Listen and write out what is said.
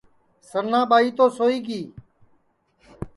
سننا ٻائی تو سوئی گی